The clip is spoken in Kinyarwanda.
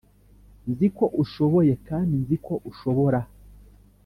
nzi ko ushoboye kandi nzi ko ushobora